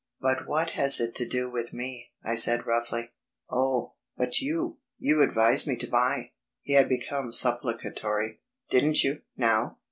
"But what has it to do with me?" I said roughly. "Oh, but you ... you advised me to buy." He had become supplicatory. "Didn't you, now?...